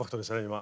今。